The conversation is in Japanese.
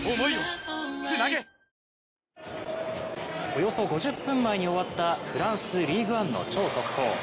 およそ５０分前に終わったフランス、リーグ・アンの超速報。